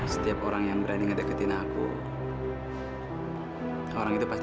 setiap orang yang berani ngedekutin aku orang itu pasti